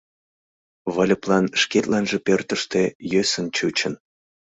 Выльыплан шкетланже пӧртыштӧ йӧсын чучын.